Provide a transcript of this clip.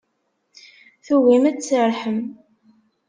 Tugim ad tserrḥem.